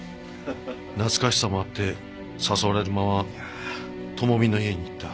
懐かしさもあって誘われるまま智美の家に行った。